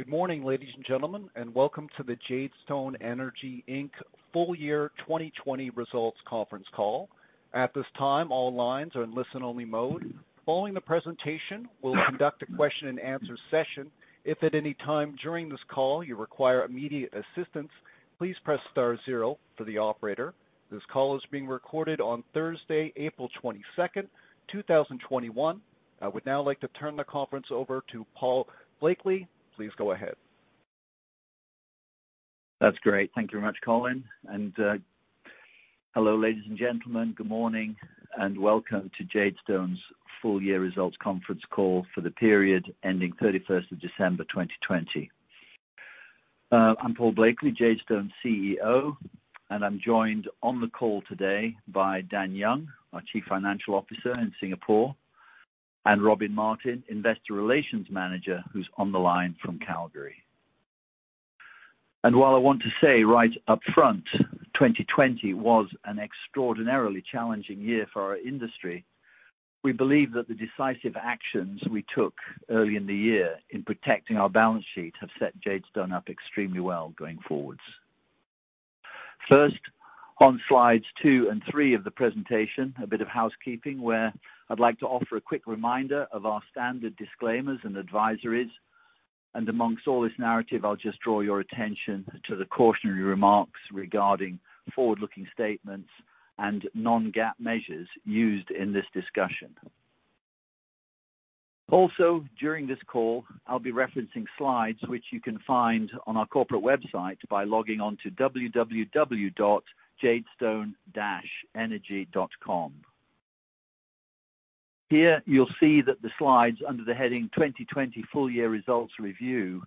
Good morning, ladies and gentlemen, and welcome to the Jadestone Energy Inc. full year 2020 results conference call. At this time, all lines are in listen-only mode. Following the presentation, we will conduct a question-and-answer session. If at any time during this call you require immediate assistance, please press star zero for the operator. This call is being recorded on Thursday, April 22nd, 2021. I would now like to turn the conference over to Paul Blakeley. Please go ahead. That's great. Thank you very much, Colin. Hello, ladies and gentlemen. Good morning, and welcome to Jadestone's full year results conference call for the period ending 31st of December 2020. I'm Paul Blakeley, Jadestone's CEO, and I'm joined on the call today by Dan Young, our Chief Financial Officer in Singapore, and Robin Martin, Investor Relations Manager, who's on the line from Calgary. While I want to say right upfront, 2020 was an extraordinarily challenging year for our industry. We believe that the decisive actions we took early in the year in protecting our balance sheet have set Jadestone up extremely well going forwards. First, on slides two and three of the presentation, a bit of housekeeping where I'd like to offer a quick reminder of our standard disclaimers and advisories. Amongst all this narrative, I'll just draw your attention to the cautionary remarks regarding forward-looking statements and non-GAAP measures used in this discussion. During this call, I'll be referencing slides which you can find on our corporate website by logging on to www.jadestone-energy.com. Here you'll see that the slides under the heading 2020 Full Year Results Review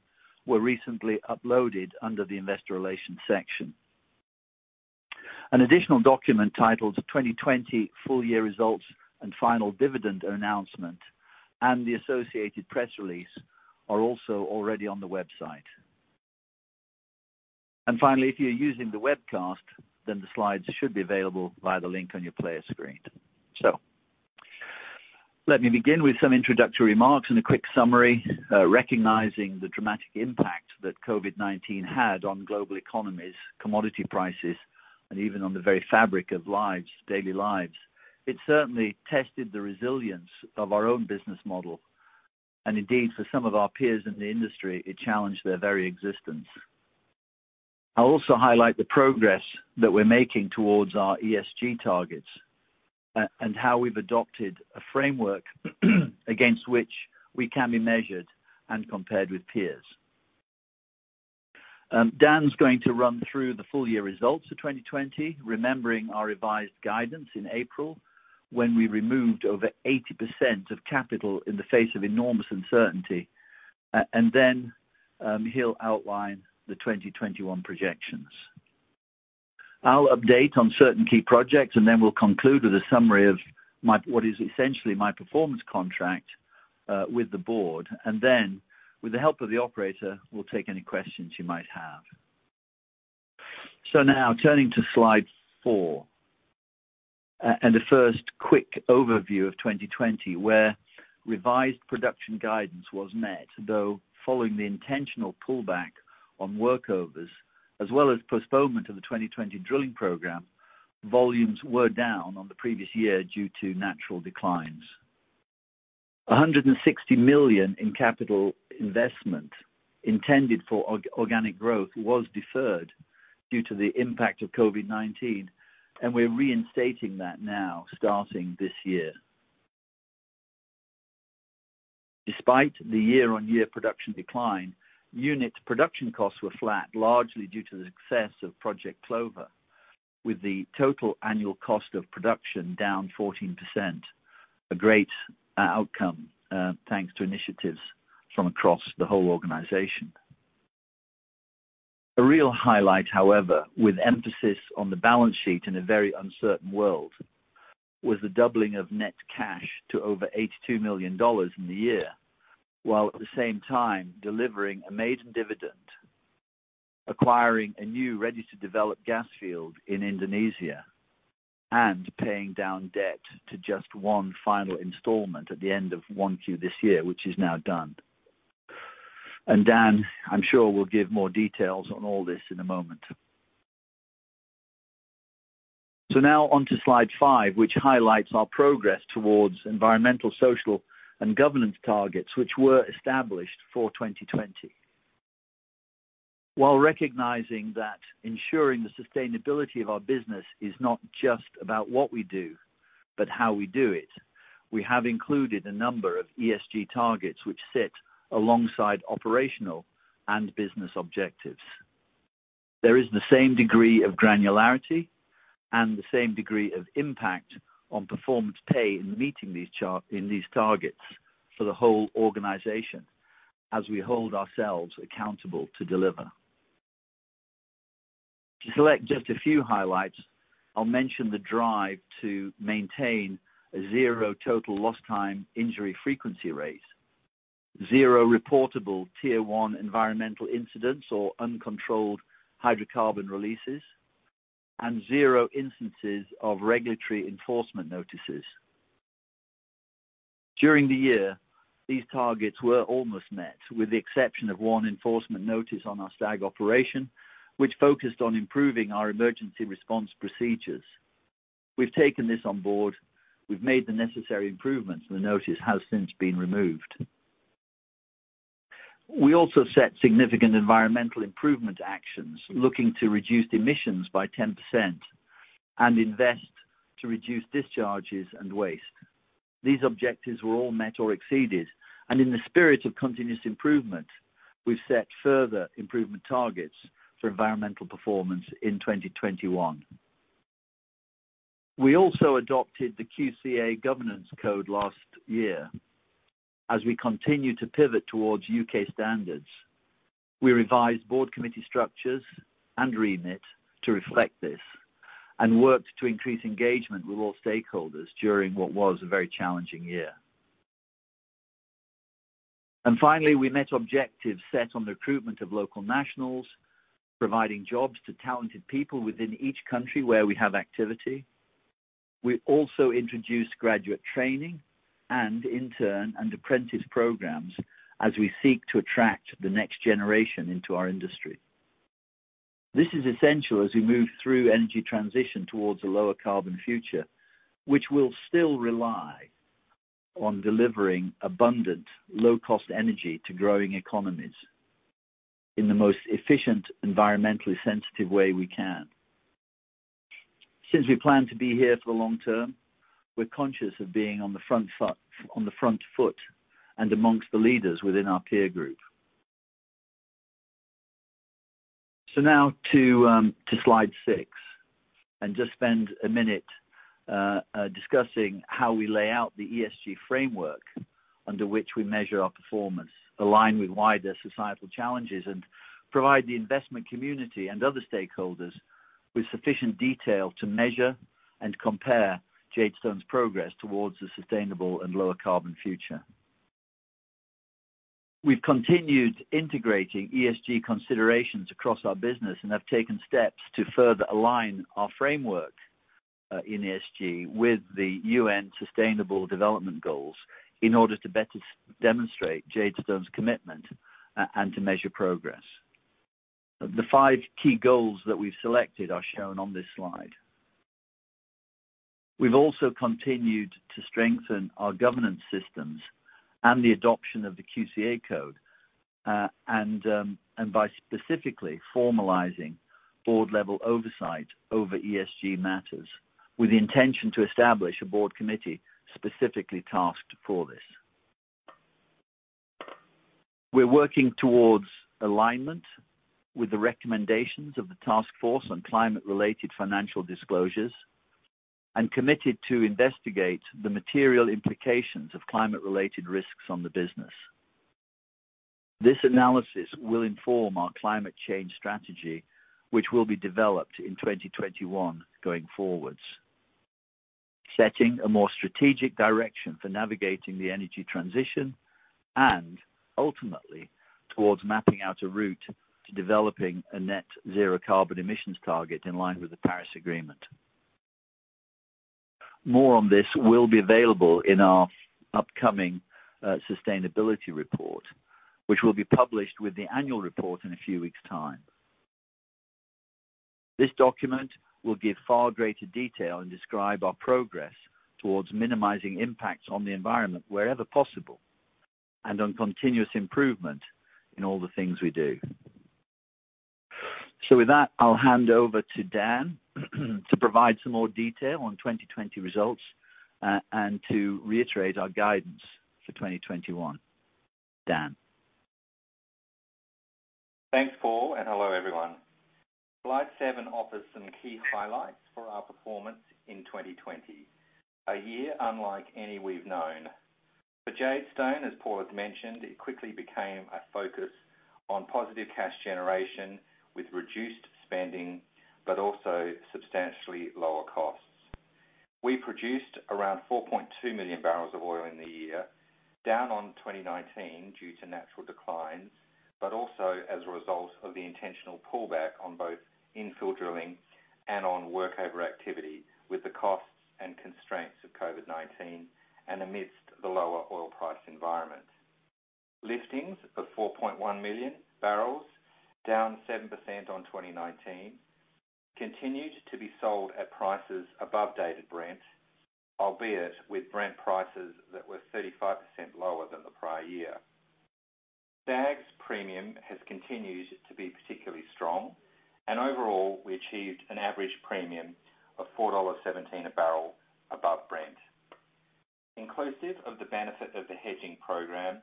were recently uploaded under the Investor Relations section. An additional document titled 2020 Full Year Results and Final Dividend Announcement and the associated press release are also already on the website. Finally, if you're using the webcast, then the slides should be available via the link on your player screen. Let me begin with some introductory remarks and a quick summary, recognizing the dramatic impact that COVID-19 had on global economies, commodity prices, and even on the very fabric of lives, daily lives. It certainly tested the resilience of our own business model. Indeed, for some of our peers in the industry, it challenged their very existence. I'll also highlight the progress that we're making towards our ESG targets and how we've adopted a framework against which we can be measured and compared with peers. Dan is going to run through the full year results of 2020, remembering our revised guidance in April when we removed over 80% of capital in the face of enormous uncertainty, and then he'll outline the 2021 projections. I'll update on certain key projects, and then we'll conclude with a summary of what is essentially my performance contract with the board. With the help of the operator, we'll take any questions you might have. Now turning to slide four, and a first quick overview of 2020 where revised production guidance was met, though following the intentional pullback on workovers as well as postponement of the 2020 drilling program, volumes were down on the previous year due to natural declines. $160 million in capital investment intended for organic growth was deferred due to the impact of COVID-19, and we're reinstating that now starting this year. Despite the year-over-year production decline, unit production costs were flat, largely due to the success of Project Clover, with the total annual cost of production down 14%, a great outcome thanks to initiatives from across the whole organization. A real highlight, however, with emphasis on the balance sheet in a very uncertain world, was the doubling of net cash to over $82 million in the year, while at the same time delivering a maiden dividend, acquiring a new ready-to-develop gas field in Indonesia, and paying down debt to just one final installment at the end of 1Q this year, which is now done. And Dan, I'm sure, will give more details on all this in a moment. Now on to slide five, which highlights our progress towards environmental, social, and governance targets which were established for 2020. While recognizing that ensuring the sustainability of our business is not just about what we do, but how we do it, we have included a number of ESG targets which sit alongside operational and business objectives. There is the same degree of granularity and the same degree of impact on performance pay in meeting these targets for the whole organization as we hold ourselves accountable to deliver. To select just a few highlights, I'll mention the drive to maintain a zero total lost time injury frequency rate, zero reportable Tier 1 environmental incidents or uncontrolled hydrocarbon releases, zero instances of regulatory enforcement notices. During the year, these targets were almost met, with the exception of one enforcement notice on our Stag operation, which focused on improving our emergency response procedures. We've taken this on board, we've made the necessary improvements, the notice has since been removed. We also set significant environmental improvement actions, looking to reduce emissions by 10% and invest to reduce discharges and waste. These objectives were all met or exceeded. In the spirit of continuous improvement, we've set further improvement targets for environmental performance in 2021. We also adopted the QCA Governance Code last year. As we continue to pivot towards U.K. standards, we revised board committee structures and remit to reflect this and worked to increase engagement with all stakeholders during what was a very challenging year. Finally, we met objectives set on the recruitment of local nationals, providing jobs to talented people within each country where we have activity. We also introduced graduate training and intern and apprentice programs as we seek to attract the next generation into our industry. This is essential as we move through energy transition towards a lower carbon future, which will still rely on delivering abundant, low-cost energy to growing economies in the most efficient, environmentally sensitive way we can. Since we plan to be here for the long term, we're conscious of being on the front foot and amongst the leaders within our peer group. Now to slide six and just spend a minute discussing how we lay out the ESG framework under which we measure our performance, align with wider societal challenges, and provide the investment community and other stakeholders with sufficient detail to measure and compare Jadestone's progress towards a sustainable and lower carbon future. We've continued integrating ESG considerations across our business and have taken steps to further align our framework in ESG with the UN Sustainable Development Goals in order to better demonstrate Jadestone's commitment and to measure progress. The five key goals that we've selected are shown on this slide. We've also continued to strengthen our governance systems and the adoption of the QCA code, by specifically formalizing board-level oversight over ESG matters with the intention to establish a board committee specifically tasked for this. We're working towards alignment with the recommendations of the Task Force on Climate-related Financial Disclosures and committed to investigate the material implications of climate-related risks on the business. This analysis will inform our climate change strategy, which will be developed in 2021 going forwards. Setting a more strategic direction for navigating the energy transition and ultimately towards mapping out a route to developing a net zero carbon emissions target in line with the Paris Agreement. More on this will be available in our upcoming sustainability report, which will be published with the annual report in a few weeks' time. This document will give far greater detail and describe our progress towards minimizing impacts on the environment wherever possible, and on continuous improvement in all the things we do. With that, I'll hand over to Dan to provide some more detail on 2020 results and to reiterate our guidance for 2021. Dan? Thanks, Paul. Hello, everyone. Slide seven offers some key highlights for our performance in 2020, a year unlike any we've known. For Jadestone, as Paul has mentioned, it quickly became a focus on positive cash generation with reduced spending but also substantially lower costs. We produced around 4.2 million barrels of oil in the year, down on 2019 due to natural declines, but also as a result of the intentional pullback on both infill drilling and on work overactivity, with the costs and constraints of COVID-19 and amidst the lower oil price environment. Liftings of 4.1 million barrels, down 7% on 2019, continued to be sold at prices above Dated Brent, albeit with Brent prices that were 35% lower than the prior year. Stag's premium has continued to be particularly strong. Overall, we achieved an average premium of $4.17 a barrel above Brent. Inclusive of the benefit of the hedging program,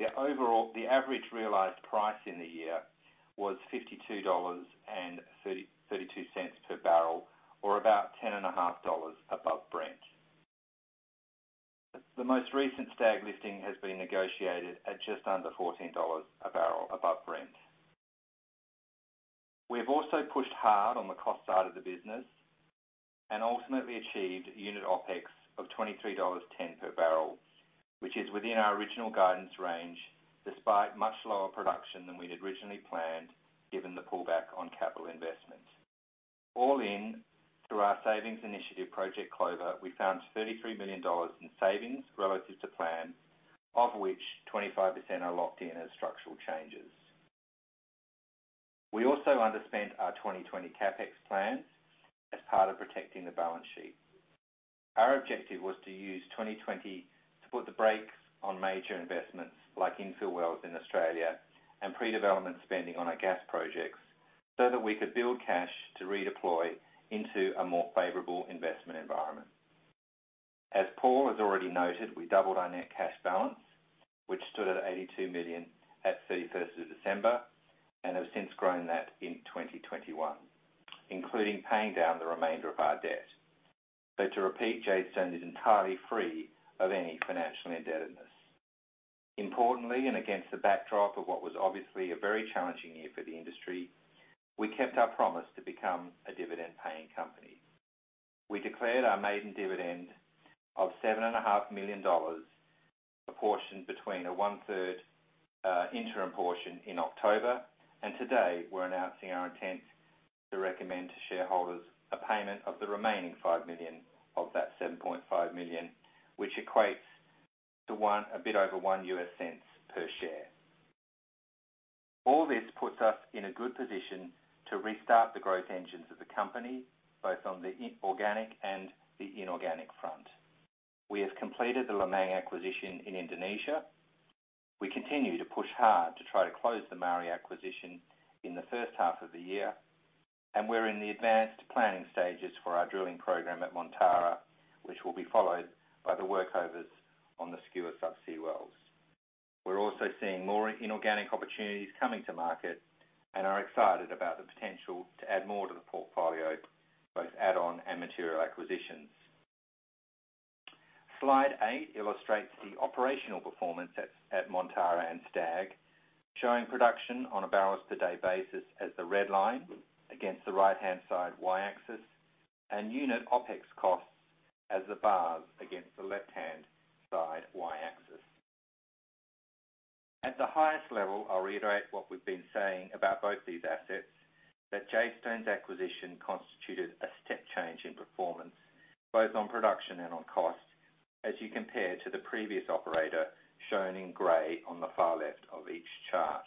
the average realized price in the year was $52.32 per barrel, or about $10.5 above Brent. The most recent Stag listing has been negotiated at just under $14 a barrel above Brent. Ultimately achieved unit OpEx of $23.10 per barrel, which is within our original guidance range, despite much lower production than we'd originally planned, given the pullback on capital investment. All in, through our savings initiative, Project Clover, we found $33 million in savings relative to plan, of which 25% are locked in as structural changes. We also underspent our 2020 CapEx plans as part of protecting the balance sheet. Our objective was to use 2020 to put the brakes on major investments, like infill wells in Australia and pre-development spending on our gas projects, so that we could build cash to redeploy into a more favorable investment environment. As Paul has already noted, we doubled our net cash balance, which stood at $82 million at 31st of December, and have since grown that in 2021, including paying down the remainder of our debt. To repeat, Jadestone is entirely free of any financial indebtedness. Importantly, against the backdrop of what was obviously a very challenging year for the industry, we kept our promise to become a dividend-paying company. We declared our maiden dividend of $7.5 million, apportioned between a one-third interim portion in October. Today, we're announcing our intent to recommend to shareholders a payment of the remaining $5 million of that $7.5 million, which equates to a bit over $0.01 per share. All this puts us in a good position to restart the growth engines of the company, both on the organic and the inorganic front. We have completed the Lemang acquisition in Indonesia. We continue to push hard to try to close the Maari acquisition in the first half of the year, and we're in the advanced planning Stages for our drilling program at Montara, which will be followed by the workovers on the Skua sub-sea wells. We're also seeing more inorganic opportunities coming to market and are excited about the potential to add more to the portfolio, both add-on and material acquisitions. Slide eight illustrates the operational performance at Montara and Skua, showing production on a barrels per day basis as the red line against the right-hand side Y-axis, and unit OpEx costs as the bars against the left-hand side Y-axis. At the highest level, I'll reiterate what we've been saying about both these assets, that Jadestone's acquisition constituted a step change in performance, both on production and on cost, as you compare to the previous operator, shown in gray on the far left of each chart.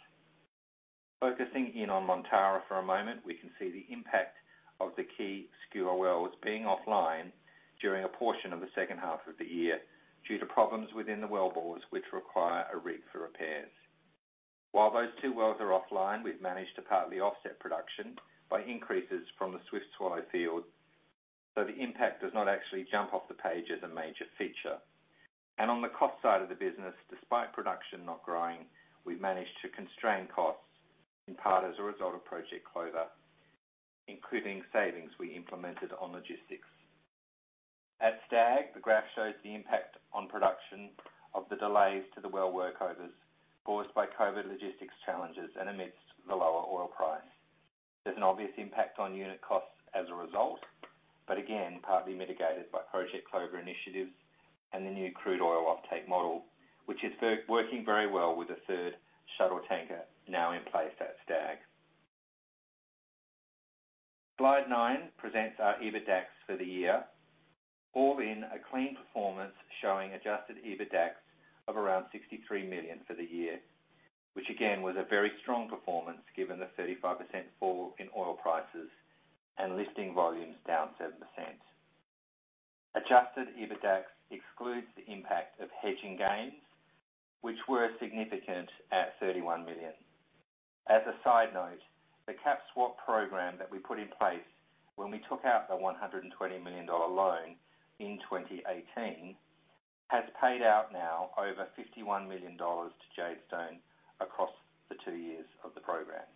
Focusing in on Montara for a moment, we can see the impact of the key Skua wells being offline during a portion of the second half of the year due to problems within the well bores, which require a rig for repairs. While those two wells are offline, we've managed to partly offset production by increases from the Swift/Swallow field, so the impact does not actually jump off the page as a major feature. On the cost side of the business, despite production not growing, we've managed to constrain costs in part as a result of Project Clover, including savings we implemented on logistics. At Stag, the graph shows the impact on production of the delays to the well workovers caused by COVID logistics challenges and amidst the lower oil price. There's an obvious impact on unit costs as a result, but again, partly mitigated by Project Clover initiatives and the new crude oil offtake model, which is working very well with a third shuttle tanker now in place at Stag. Slide nine presents our EBITDAX for the year. All in, a clean performance showing adjusted EBITDAX of around $63 million for the year, which again, was a very strong performance given the 35% fall in oil prices and lifting volumes down 7%. Adjusted EBITDAX excludes the impact of hedging gains, which were significant at $31 million. As a side note, the cap swap program that we put in place when we took out the $120 million loan in 2018 has paid out now over $51 million to Jadestone across the two years of the program.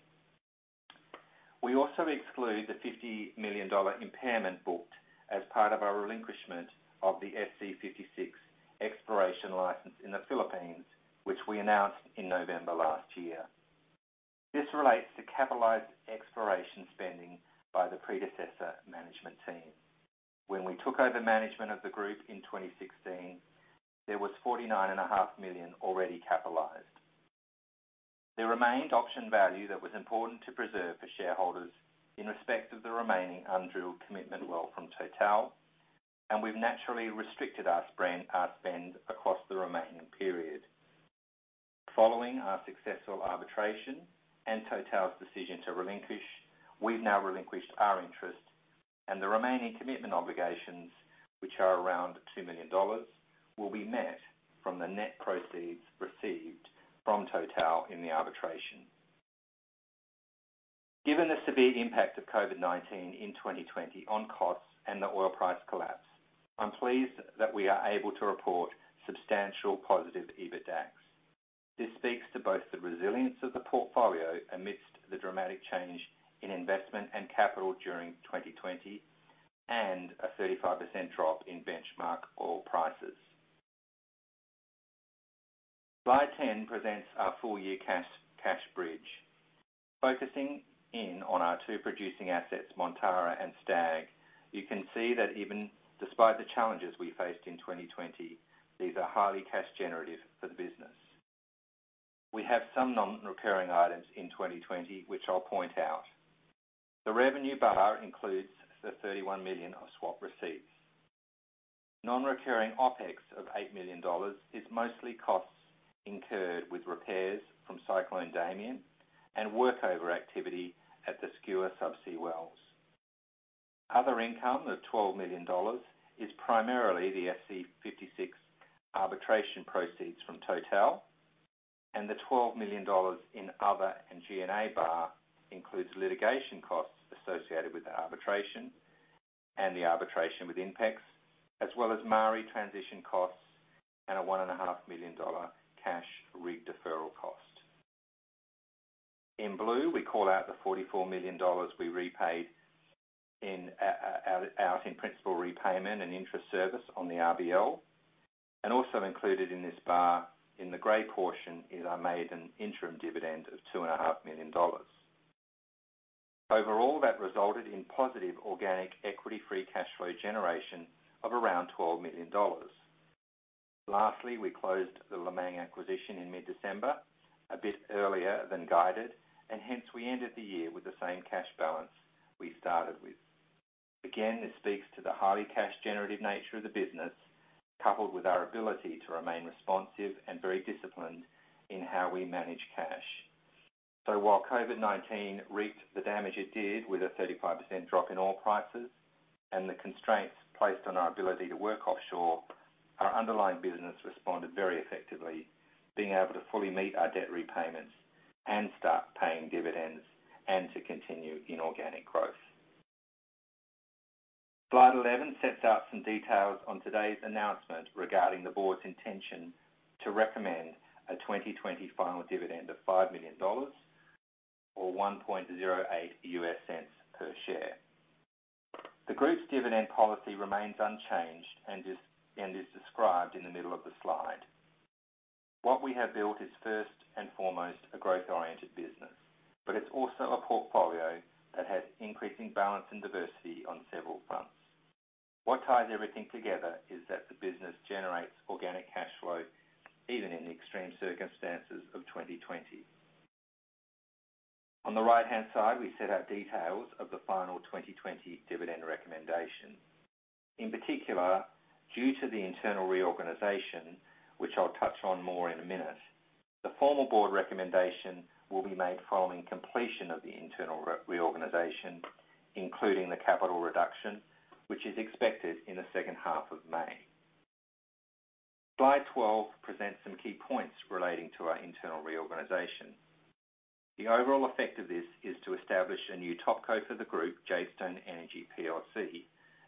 We also exclude the $50 million impairment booked as part of our relinquishment of the SC56 exploration license in the Philippines, which we announced in November last year. This relates to capitalized exploration spending by the predecessor management team. When we took over management of the group in 2016, there was $49.5 million already capitalized. There remained option value that was important to preserve for shareholders in respect of the remaining undrilled commitment well from Total, and we've naturally restricted our spend across the remaining period. Following our successful arbitration and Total's decision to relinquish, we've now relinquished our interest, and the remaining commitment obligations, which are around $2 million, will be met from the net proceeds received from Total in the arbitration. Given the severe impact of COVID-19 in 2020 on costs and the oil price collapse, I'm pleased that we are able to report substantial positive EBITDAX. This speaks to both the resilience of the portfolio amidst the dramatic change in investment and capital during 2020, and a 35% drop in benchmark oil prices. Slide 10 presents our full year cash bridge. Focusing in on our two producing assets, Montara and Stag, you can see that even despite the challenges we faced in 2020, these are highly cash generative for the business. We have some non-recurring items in 2020, which I'll point out. The revenue bar includes the $31 million of swap receipts. Non-recurring OpEx of $8 million is mostly costs incurred with repairs from Cyclone Damien and work overactivity at the Skua subsea wells. Other income of $12 million is primarily the SC56 arbitration proceeds from Total. The $12 million in other and G&A bar includes litigation costs associated with the arbitration and the arbitration with Inpex, as well as Maari transition costs and a $1.5 million cash rig deferral cost. In blue, we call out the $44 million we repaid out in principal repayment and interest service on the RBL. Also included in this bar in the gray portion is a maiden interim dividend of $2.5 million. Overall, that resulted in positive organic equity free cash flow generation of around $12 million. Lastly, we closed the Lemang acquisition in mid-December, a bit earlier than guided. Hence we ended the year with the same cash balance we started with. Again, this speaks to the highly cash generative nature of the business, coupled with our ability to remain responsive and very disciplined in how we manage cash. While COVID-19 wreaked the damage it did with a 35% drop in oil prices and the constraints placed on our ability to work offshore, our underlying business responded very effectively, being able to fully meet our debt repayments and start paying dividends and to continue inorganic growth. Slide 11 sets out some details on today's announcement regarding the board's intention to recommend a 2020 final dividend of $5 million or $0.0108 per share. The group's dividend policy remains unchanged and is described in the middle of the slide. What we have built is first and foremost a growth-oriented business, but it's also a portfolio that has increasing balance and diversity on several fronts. What ties everything together is that the business generates organic cash flow even in the extreme circumstances of 2020. On the right-hand side, we set out details of the final 2020 dividend recommendation. In particular, due to the internal reorganization, which I'll touch on more in a minute, the formal board recommendation will be made following completion of the internal reorganization, including the capital reduction, which is expected in the second half of May. Slide 12 presents some key points relating to our internal reorganization. The overall effect of this is to establish a new topco for the group, Jadestone Energy plc,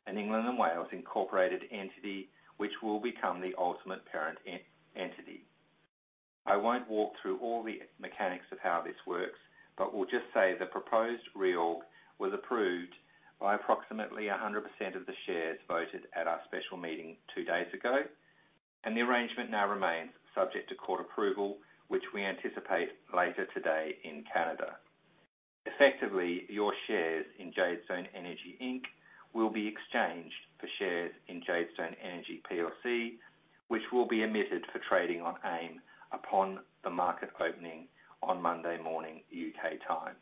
an England and Wales incorporated entity, which will become the ultimate parent entity. I won't walk through all the mechanics of how this works, but will just say the proposed reorg was approved by approximately 100% of the shares voted at our special meeting two days ago, and the arrangement now remains subject to court approval, which we anticipate later today in Canada. Effectively, your shares in Jadestone Energy Inc will be exchanged for shares in Jadestone Energy plc, which will be admitted for trading on AIM upon the market opening on Monday morning, U.K. time.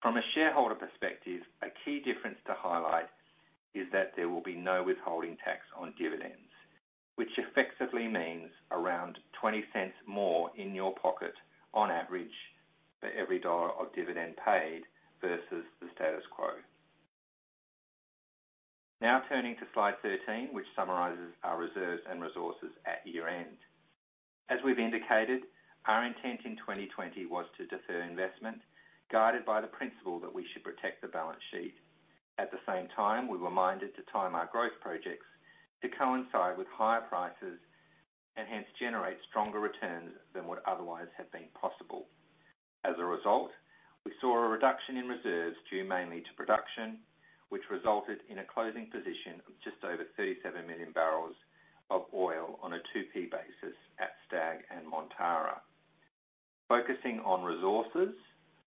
From a shareholder perspective, a key difference to highlight is that there will be no withholding tax on dividends, which effectively means around $0.20 more in your pocket, on average, for every dollar of dividend paid versus the status quo. Now turning to slide 13, which summarizes our reserves and resources at year-end. As we've indicated, our intent in 2020 was to defer investment guided by the principle that we should protect the balance sheet. At the same time, we were minded to time our growth projects to coincide with higher prices and hence generate stronger returns than would otherwise have been possible. We saw a reduction in reserves due mainly to production, which resulted in a closing position of just over 37 million barrels of oil on a 2P basis at Stag and Montara. Focusing on resources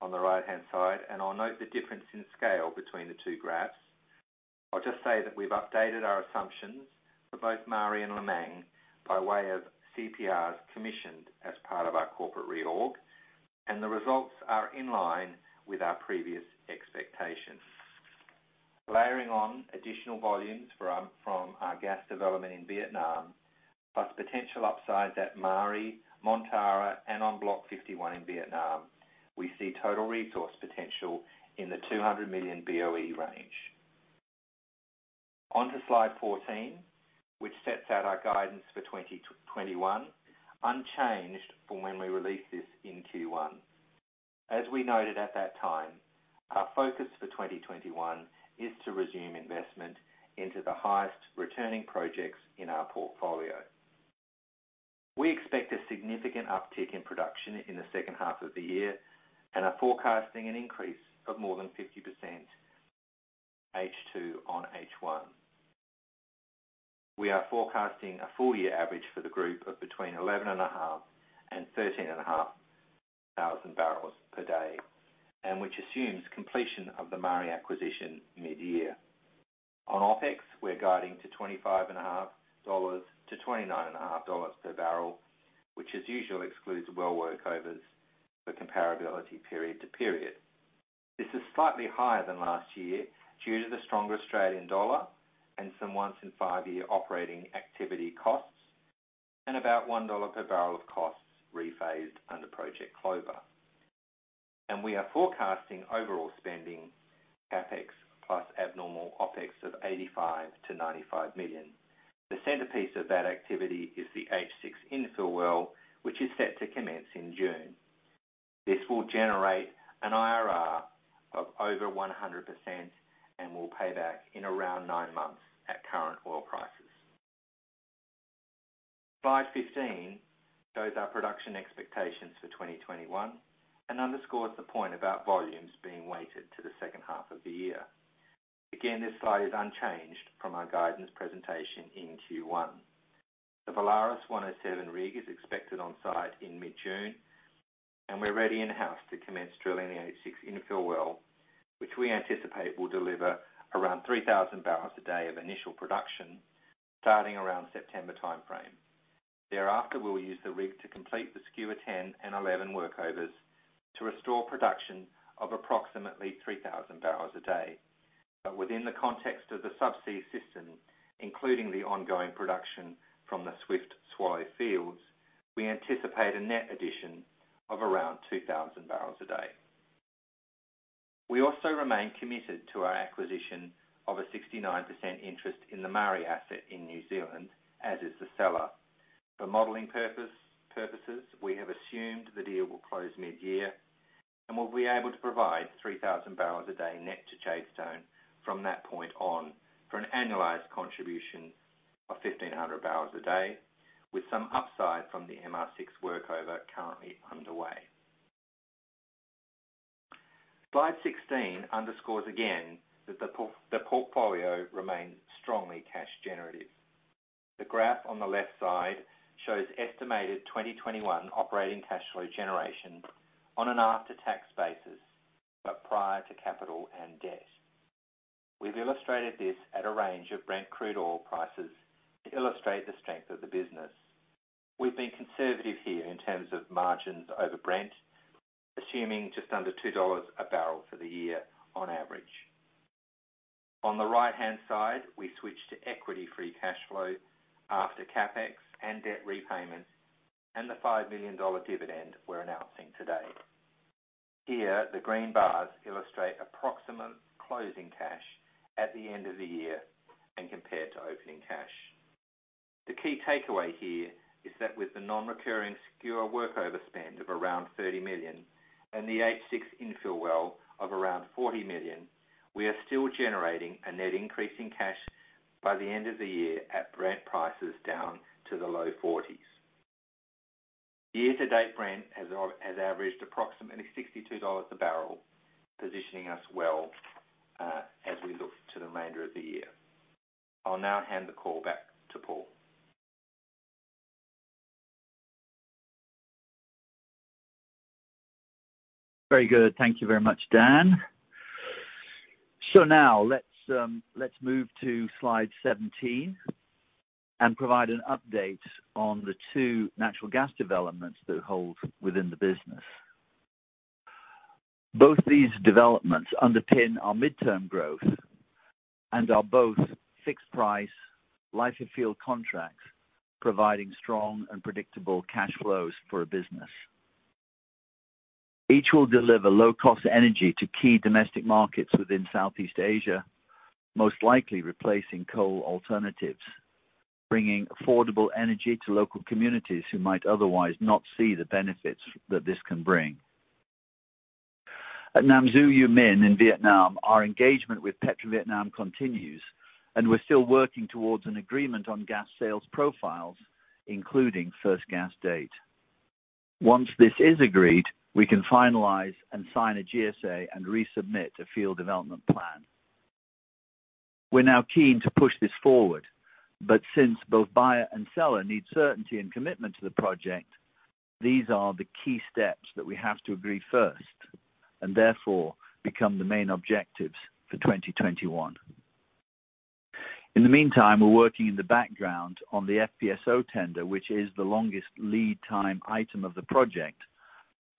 on the right-hand side, I'll note the difference in scale between the two graphs. I'll just say that we've updated our assumptions for both Maari and Lemang by way of CPRs commissioned as part of our corporate reorg, the results are in line with our previous expectations. Layering on additional volumes from our gas development in Vietnam, plus potential upsides at Maari, Montara, and on Block 51 in Vietnam, we see total resource potential in the 200 million BOE range. On to slide 14, which sets out our guidance for 2021, unchanged from when we released this in Q1. As we noted at that time, our focus for 2021 is to resume investment into the highest returning projects in our portfolio. We expect a significant uptick in production in the second half of the year and are forecasting an increase of more than 50%H2 on H1. We are forecasting a full year average for the group of between 11,500 and 13,500 barrels per day, and which assumes completion of the Maari acquisition mid-year. On OpEx, we're guiding to $25.50 to $29.50 per barrel, which as usual, excludes well workovers for comparability period to period. This is slightly higher than last year due to the stronger Australian dollar and some once in five-year operating activity costs and about $1 per barrel of costs rephased under Project Clover. We are forecasting overall spending CapEx plus abnormal OpEx of $85 million-$95 million. The centerpiece of that activity is the H6 infill well, which is set to commence in June. This will generate an IRR of over 100% and will pay back in around nine months at current oil prices. Slide 15 shows our production expectations for 2021 and underscores the point about volumes being weighted to the second half of the year. Again, this slide is unchanged from our guidance presentation in Q1. The Valaris 107 rig is expected on site in mid-June, and we're ready in-house to commence drilling the H6 infill well, which we anticipate will deliver around 3,000 barrels a day of initial production starting around September timeframe. Thereafter, we'll use the rig to complete the Skua 10 and 11 workovers to restore production of approximately 3,000 barrels a day. Within the context of the subsea system, including the ongoing production from the Swift/Swallow fields, we anticipate a net addition of around 2,000 barrels a day. We also remain committed to our acquisition of a 69% interest in the Maari asset in New Zealand, as is the seller. For modeling purposes, we have assumed the deal will close mid-year and we'll be able to provide 3,000 barrels a day net to Jadestone from that point on, for an annualized contribution of 1,500 barrels a day with some upside from the MR6 workover currently underway. Slide 16 underscores again that the portfolio remains strongly cash generative. The graph on the left side shows estimated 2021 operating cash flow generation on an after-tax basis, but prior to capital and debt. We've illustrated this at a range of Brent crude oil prices to illustrate the strength of the business. We've been conservative here in terms of margins over Brent, assuming just under $2 a barrel for the year on average. On the right-hand side, we switch to equity-free cash flow after CapEx and debt repayments and the $5 million dividend we're announcing today. Here, the green bars illustrate approximate closing cash at the end of the year and compared to opening cash. The key takeaway here is that with the non-recurring Skua workover spend of around $30 million and the H6 infill well of around $40 million, we are still generating a net increase in cash by the end of the year at Brent prices down to the low $40s. Year to date, Brent has averaged approximately $62 a barrel, positioning us well as we look to the remainder of the year. I'll now hand the call back to Paul. Very good. Thank you very much, Dan. Now let's move to slide 17 and provide an update on the two natural gas developments that hold within the business. Both these developments underpin our midterm growth and are both fixed price life of field contracts, providing strong and predictable cash flows for a business. Each will deliver low-cost energy to key domestic markets within Southeast Asia, most likely replacing coal alternatives, bringing affordable energy to local communities who might otherwise not see the benefits that this can bring. At Nam Du/U Minh in Vietnam, our engagement with PetroVietnam continues, and we're still working towards an agreement on gas sales profiles, including first gas date. Once this is agreed, we can finalize and sign a GSA and resubmit a field development plan. We're now keen to push this forward, but since both buyer and seller need certainty and commitment to the project, these are the key steps that we have to agree first and therefore become the main objectives for 2021. In the meantime, we're working in the background on the FPSO tender, which is the longest lead time item of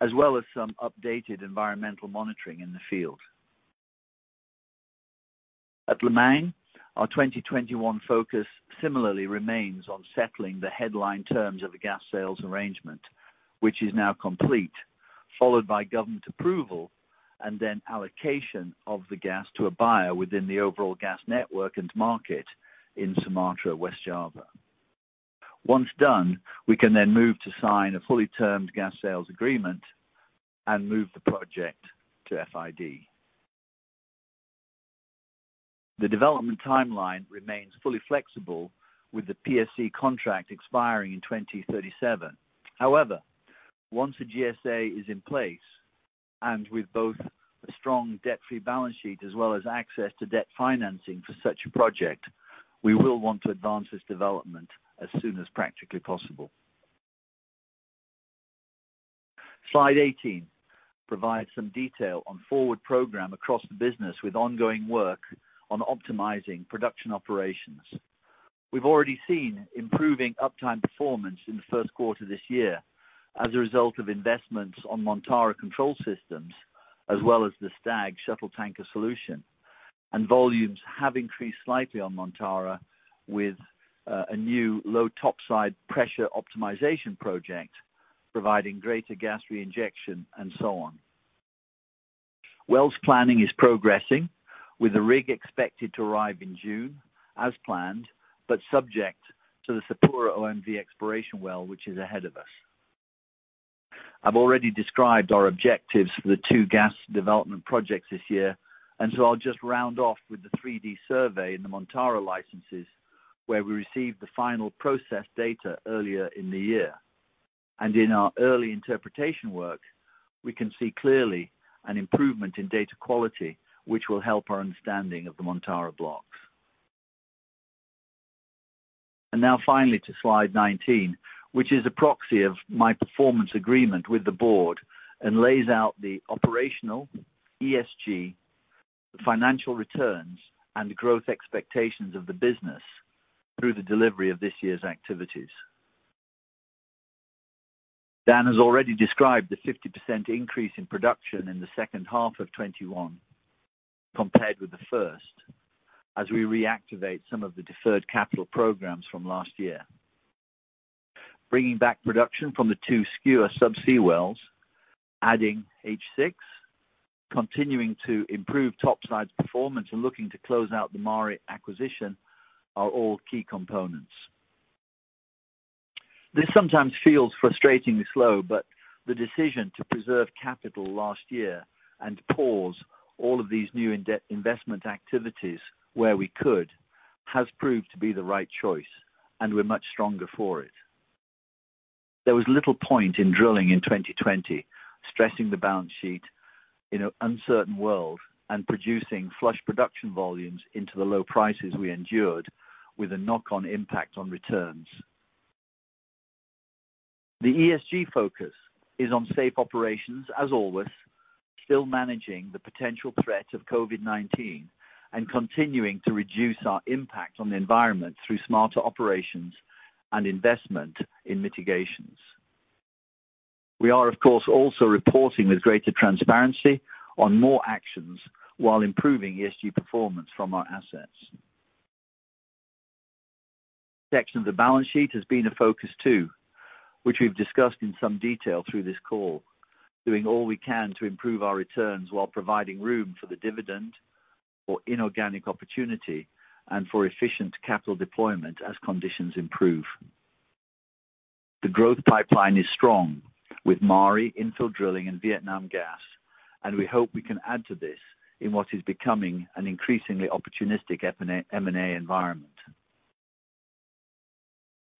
the project, as well as some updated environmental monitoring in the field. At Lemang, our 2021 focus similarly remains on settling the headline terms of the gas sales arrangement, which is now complete, followed by government approval and then allocation of the gas to a buyer within the overall gas network and market in Sumatra, West Java. Once done, we can then move to sign a fully termed gas sales agreement and move the project to FID. The development timeline remains fully flexible with the PSC contract expiring in 2037. However, once a GSA is in place and with both a strong debt-free balance sheet as well as access to debt financing for such a project, we will want to advance this development as soon as practically possible. Slide 18 provides some detail on forward program across the business with ongoing work on optimizing production operations. We've already seen improving uptime performance in the first quarter of this year as a result of investments on Montara control systems, as well as the Stag shuttle tanker solution. Volumes have increased slightly on Montara with a new low topside pressure optimization project providing greater gas reinjection, and so on. Wells planning is progressing, with the rig expected to arrive in June as planned, but subject to the SapuraOMV exploration well, which is ahead of us. I've already described our objectives for the two gas development projects this year, I'll just round off with the 3D survey in the Montara licenses, where we received the final process data earlier in the year. In our early interpretation work, we can see clearly an improvement in data quality, which will help our understanding of the Montara blocks. Now finally to slide 19, which is a proxy of my performance agreement with the board and lays out the operational ESG, financial returns, and growth expectations of the business through the delivery of this year's activities. Dan has already described the 50% increase in production in the second half of 2021 compared with the first, as we reactivate some of the deferred capital programs from last year. Bringing back production from the two Skua sub-sea wells, adding H6, continuing to improve topside performance, and looking to close out the Maari acquisition are all key components. This sometimes feels frustratingly slow, but the decision to preserve capital last year and pause all of these new investment activities where we could, has proved to be the right choice, and we're much stronger for it. There was little point in drilling in 2020, stressing the balance sheet in an uncertain world and producing flush production volumes into the low prices we endured with a knock-on impact on returns. The ESG focus is on safe operations, as always, still managing the potential threat of COVID-19 and continuing to reduce our impact on the environment through smarter operations and investment in mitigations. We are, of course, also reporting with greater transparency on more actions while improving ESG performance from our assets. Protection of the balance sheet has been a focus too, which we've discussed in some detail through this call, doing all we can to improve our returns while providing room for the dividend or inorganic opportunity and for efficient capital deployment as conditions improve. The growth pipeline is strong with Maari infill drilling and Vietnam gas, and we hope we can add to this in what is becoming an increasingly opportunistic M&A environment.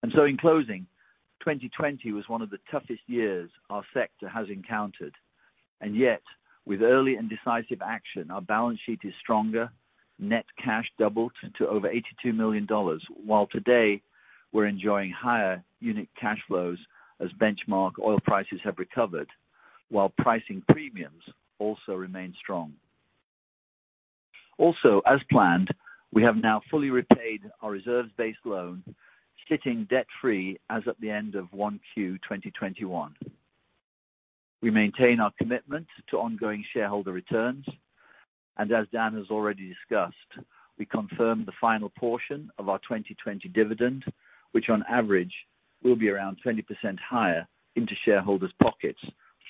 In closing, 2020 was one of the toughest years our sector has encountered. Yet, with early and decisive action, our balance sheet is stronger, net cash doubled to over $82 million. While today we're enjoying higher unique cash flows as benchmark oil prices have recovered, while pricing premiums also remain strong. As planned, we have now fully repaid our reserves-based loan, sitting debt-free as at the end of 1Q 2021. We maintain our commitment to ongoing shareholder returns. As Dan has already discussed, we confirm the final portion of our 2020 dividend, which on average will be around 20% higher into shareholders' pockets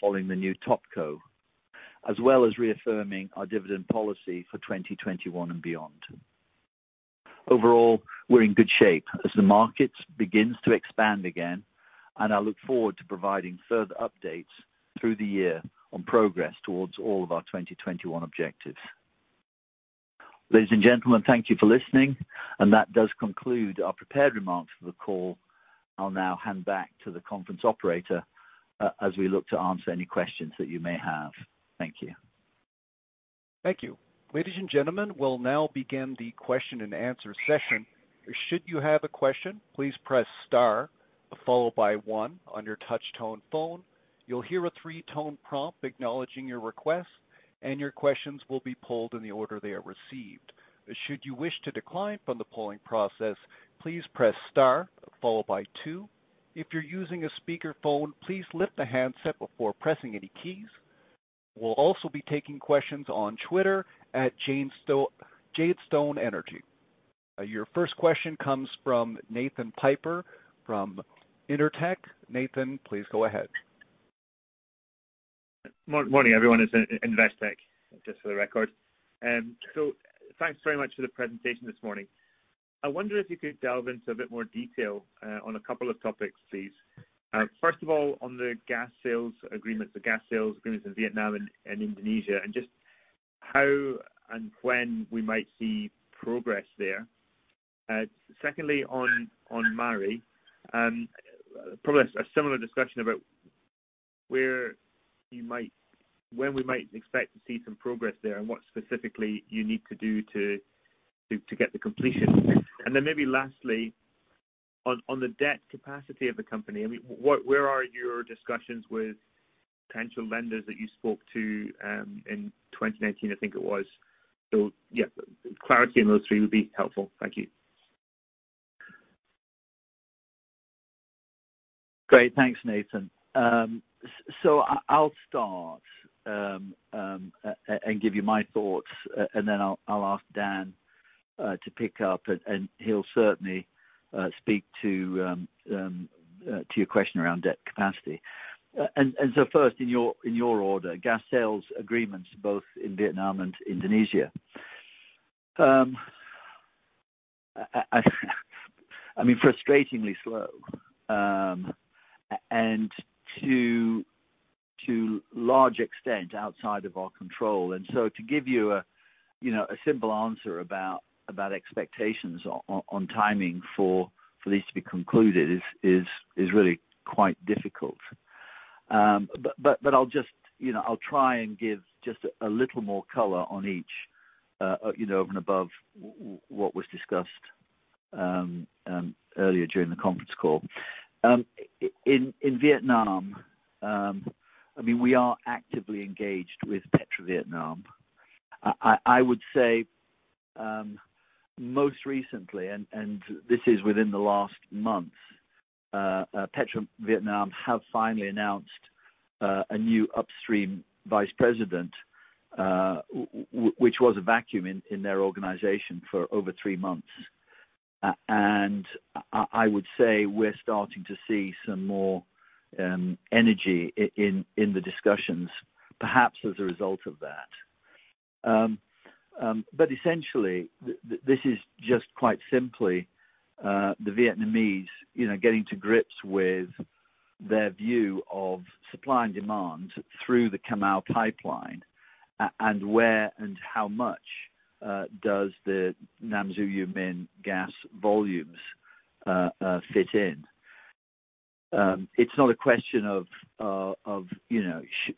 following the new top co, as well as reaffirming our dividend policy for 2021 and beyond. Overall, we're in good shape as the market begins to expand again. I look forward to providing further updates through the year on progress towards all of our 2021 objectives. Ladies and gentlemen, thank you for listening. That does conclude our prepared remarks for the call. I'll now hand back to the conference operator as we look to answer any questions that you may have. Thank you. Thank you. Ladies and gentlemen, we will now begin the question and answer session. Should you have a question, please press star followed by one on your touch tone phone. You will hear a three-tone prompt acknowledging your request, and your questions will be polled in the order they are received. Should you wish to decline from the polling process, please press star followed by two. If you are using a speakerphone, please lift the handset before pressing any keys. We will also be taking questions on Twitter at Jadestone Energy. Your first question comes from Nathan Piper from Investec. Nathan, please go ahead. Morning everyone. It's Investec, just for the record. Thanks very much for the presentation this morning. I wonder if you could delve into a bit more detail on a couple of topics, please. First of all, on the gas sales agreement, the gas sales agreement in Vietnam and Indonesia, and just how and when we might see progress there. Secondly, on Maari. Probably a similar discussion about when we might expect to see some progress there and what specifically you need to do to get the completion. Maybe lastly, on the debt capacity of the company, where are your discussions with potential lenders that you spoke to in 2019, I think it was? Clarity on those three would be helpful. Thank you. Great. Thanks, Nathan. I'll start and give you my thoughts, and then I'll ask Dan to pick up, and he'll certainly speak to your question around debt capacity. First, in your order, gas sales agreements both in Vietnam and Indonesia. Frustratingly slow, and to large extent, outside of our control. To give you a simple answer about expectations on timing for these to be concluded is really quite difficult. I'll try and give just a little more color on each, over and above what was discussed earlier during the conference call. In Vietnam, we are actively engaged with PetroVietnam. I would say, most recently, and this is within the last month, PetroVietnam have finally announced a new upstream vice president, which was a vacuum in their organization for over three months. I would say we're starting to see some more energy in the discussions, perhaps as a result of that. Essentially, this is just quite simply the Vietnamese getting to grips with their view of supply and demand through the Ca Mau pipeline, and where and how much does Nam Du/U Minh gas volumes fit in. It's not a question of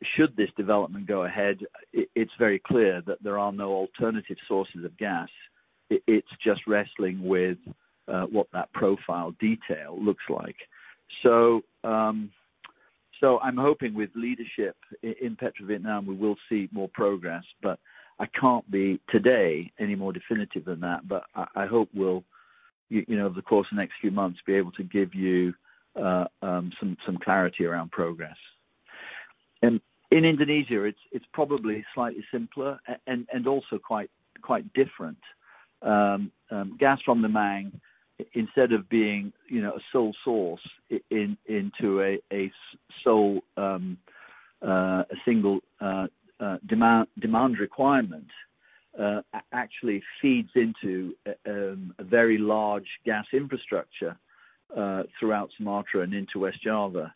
should this development go ahead. It's very clear that there are no alternative sources of gas. It's just wrestling with what that profile detail looks like. I'm hoping with leadership in PetroVietnam, we will see more progress, but I can't be today any more definitive than that. I hope we'll, over the course of the next few months, be able to give you some clarity around progress. In Indonesia, it's probably slightly simpler and also quite different. Gas from the Nam instead of being a sole source into a single demand requirement, actually feeds into a very large gas infrastructure throughout Sumatra and into West Java,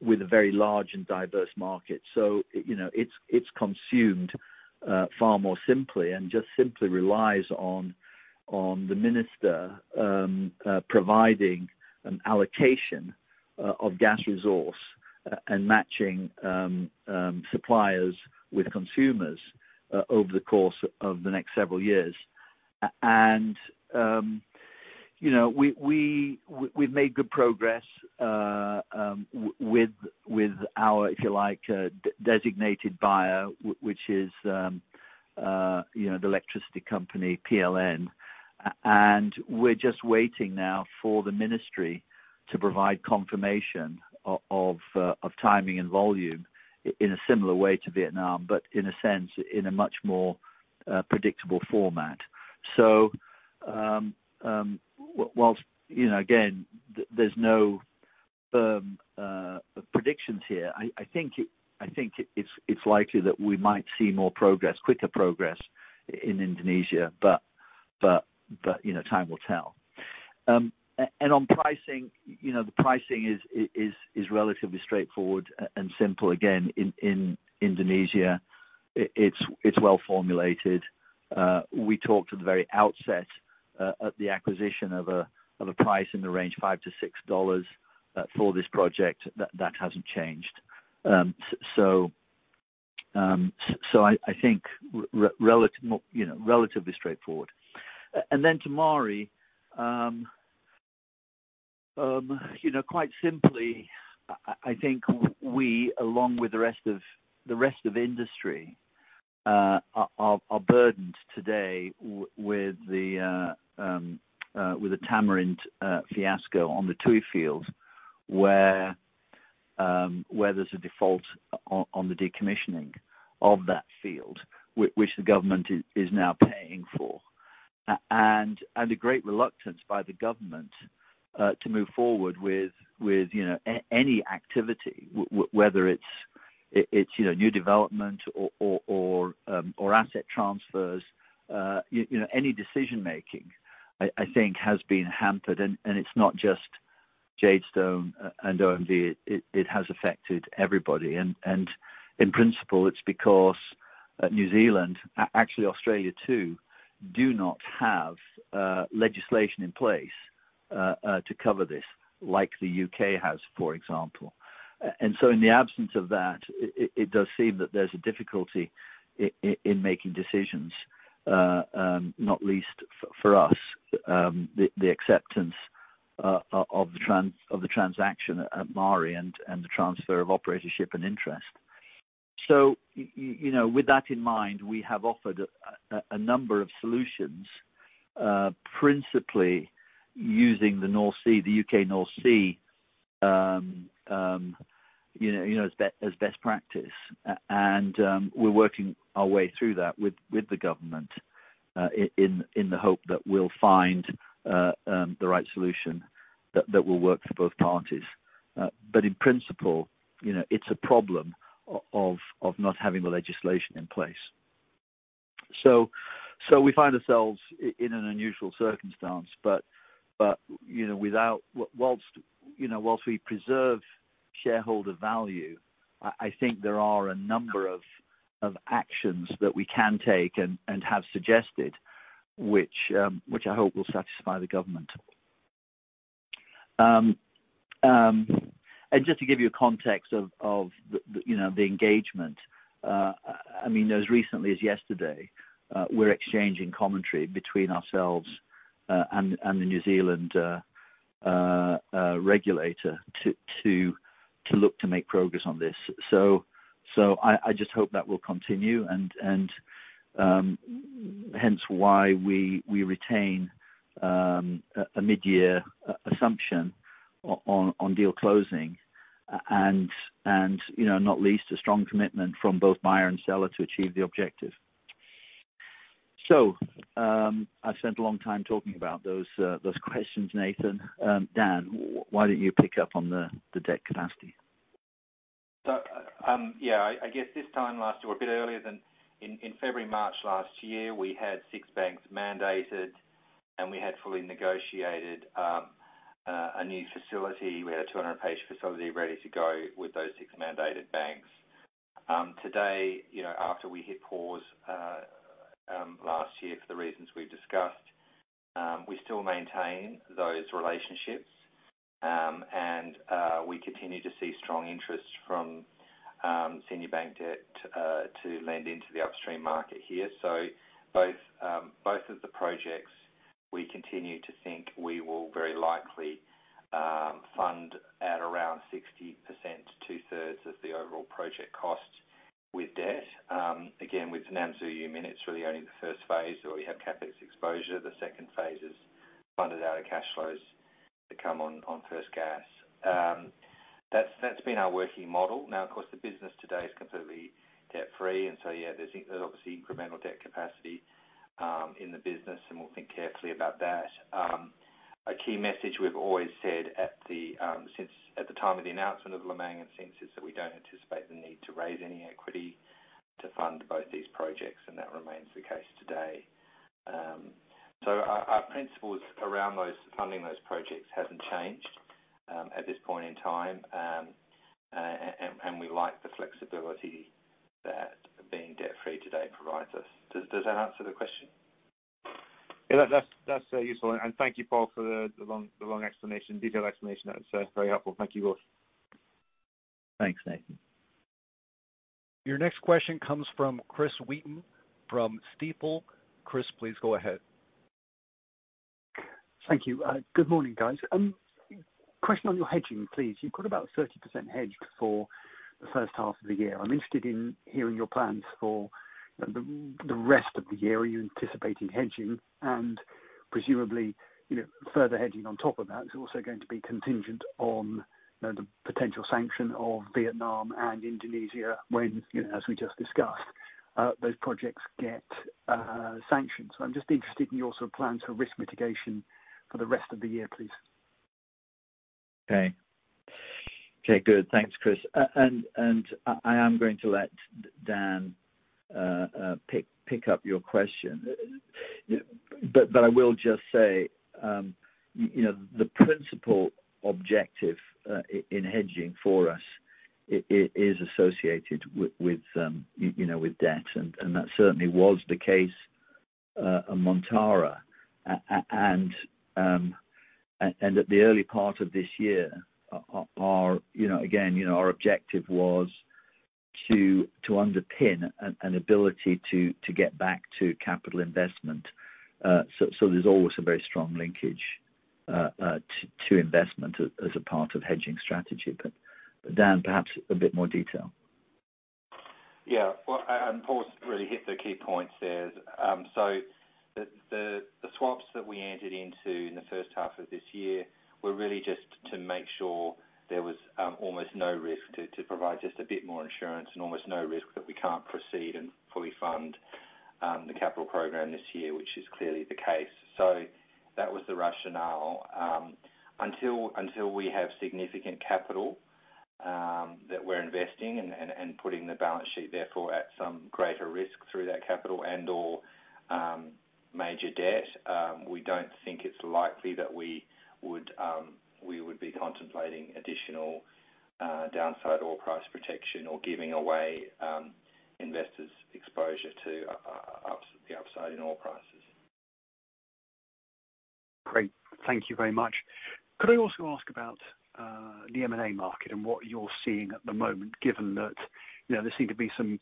with a very large and diverse market. It's consumed far more simply and just simply relies on the minister providing an allocation of gas resource and matching suppliers with consumers over the course of the next several years. We've made good progress with our, if you like, designated buyer, which is the electricity company, PLN, and we're just waiting now for the ministry to provide confirmation of timing and volume in a similar way to Vietnam. In a sense, in a much more predictable format. Whilst, again, there's no predictions here, I think it's likely that we might see more progress, quicker progress in Indonesia. Time will tell. On pricing, the pricing is relatively straightforward and simple. Again, in Indonesia, it's well-formulated. We talked at the very outset at the acquisition of a price in the range of $5-$6 for this project. That hasn't changed. I think relatively straightforward. Then to Maari. Quite simply, I think we, along with the rest of the industry, are burdened today with the Tamarind fiasco on the Tui field, where there's a default on the decommissioning of that field, which the government is now paying for. A great reluctance by the government to move forward with any activity, whether it's new development or asset transfers. Any decision-making, I think, has been hampered, and it's not just Jadestone and OMV, it has affected everybody. In principle, it's because New Zealand, actually Australia too, do not have legislation in place to cover this, like the U.K. has, for example. In the absence of that, it does seem that there's a difficulty in making decisions, not least for us, the acceptance of the transaction at Maari and the transfer of operatorship and interest. With that in mind, we have offered a number of solutions, principally using the U.K. North Sea as best practice. We're working our way through that with the government in the hope that we'll find the right solution that will work for both parties. In principle, it's a problem of not having the legislation in place. We find ourselves in an unusual circumstance, but whilst we preserve shareholder value, I think there are a number of actions that we can take and have suggested, which I hope will satisfy the government. Just to give you a context of the engagement, as recently as yesterday, we're exchanging commentary between ourselves and the New Zealand regulator to look to make progress on this. I just hope that will continue, and hence why we retain a mid-year assumption on deal closing and not least a strong commitment from both buyer and seller to achieve the objective. I've spent a long time talking about those questions, Nathan. Dan, why don't you pick up on the debt capacity? Yeah. I guess this time last year, a bit earlier than in February, March last year, we had six banks mandated, and we had fully negotiated a new facility. We had a 200-page facility ready to go with those six mandated banks. Today, after we hit pause last year for the reasons we've discussed, we still maintain those relationships. We continue to see strong interest from senior bank debt to lend into the upstream market here. Both of the projects, we continue to think we will very likely fund at around 60%, 2/3 of the overall project cost with debt. Again, with Nam Du/U Minh, it's really only the first phase where we have CapEx exposure. The second phase is funded out of cash flows that come on first gas. That's been our working model. Now, of course, the business today is completely debt-free, and so there's obviously incremental debt capacity in the business, and we'll think carefully about that. A key message we've always said at the time of the announcement of Lemang and [since] is that we don't anticipate the need to raise any equity to fund both these projects, and that remains the case today. Our principles around funding those projects hasn't changed at this point in time, and we like the flexibility that being debt-free today provides us. Does that answer the question? Yeah, that's very useful. Thank you, Paul, for the long explanation, detailed explanation. That's very helpful. Thank you both. Thanks, Nathan. Your next question comes from Chris Wheaton from Stifel. Chris, please go ahead. Thank you. Good morning, guys. Question on your hedging, please. You've got about 30% hedged for the first half of the year. I'm interested in hearing your plans for the rest of the year. Are you anticipating hedging and presumably, further hedging on top of that is also going to be contingent on the potential sanction of Vietnam and Indonesia when, as we just discussed, those projects get sanctioned. I'm just interested in your sort of plans for risk mitigation for the rest of the year, please. Okay. Okay, good. Thanks, Chris. I am going to let Dan pick up your question. I will just say, the principal objective in hedging for us is associated with debt, and that certainly was the case on Montara. At the early part of this year, again, our objective was to underpin an ability to get back to capital investment. There's always a very strong linkage to investment as a part of hedging strategy. Dan, perhaps a bit more detail. Well, Paul's really hit the key points there. The swaps that we entered into in the first half of this year were really just to make sure there was almost no risk to provide just a bit more insurance and almost no risk that we can't proceed and fully fund the capital program this year, which is clearly the case. That was the rationale. Until we have significant capital that we're investing and putting the balance sheet therefore at some greater risk through that capital and/or major debt. We don't think it's likely that we would be contemplating additional downside oil price protection or giving away investors exposure to the upside in oil prices. Great. Thank you very much. Could I also ask about the M&A market and what you're seeing at the moment, given that there seem to be some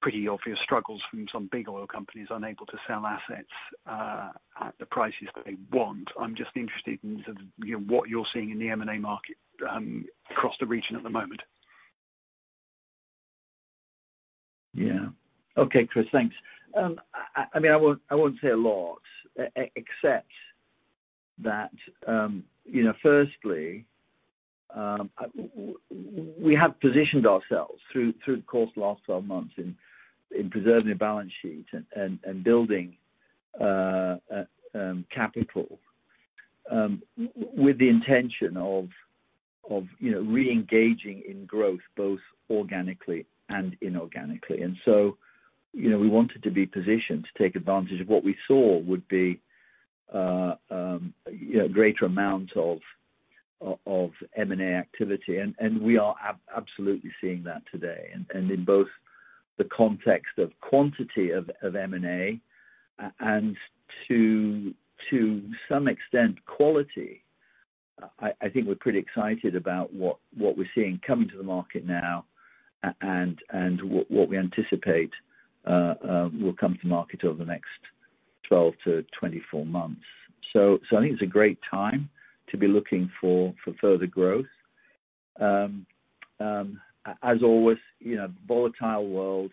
pretty obvious struggles from some big oil companies unable to sell assets at the prices they want? I'm just interested in what you're seeing in the M&A market across the region at the moment. Yeah. Okay, Chris. Thanks. I won't say a lot except that firstly, we have positioned ourselves through the course of the last 12 months in preserving the balance sheet and building capital with the intention of re-engaging in growth, both organically and inorganically. We wanted to be positioned to take advantage of what we saw would be a greater amount of M&A activity. We are absolutely seeing that today. In both the context of quantity of M&A, and to some extent, quality. I think we're pretty excited about what we're seeing coming to the market now and what we anticipate will come to market over the next 12-24 months. I think it's a great time to be looking for further growth. As always, volatile world,